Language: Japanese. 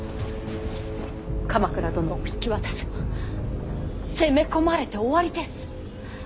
鎌倉殿を引き渡せば攻め込まれて終わりです。